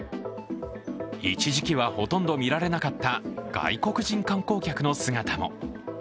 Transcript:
一時期はほとんど見られなかった外国人観光客の姿も。